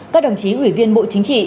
các đồng chí ủy viên bộ chính trị